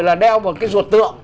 là đeo một cái ruột tượng